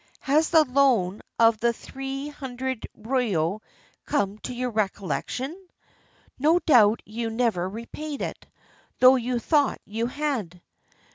Has the loan of the three hmidred ryo come to your recollection? No doubt you never repaid it, though you thought you had.